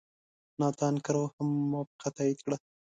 ناتان کرو هم موافقه تایید کړه.